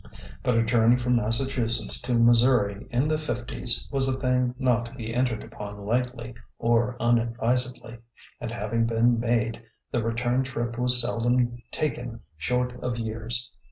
But a journey from Massa chusetts to Missouri in the fifties was a thing not to be entered upon lightly or unadvisedly; and having been made, the return trip was seldom taken short of years.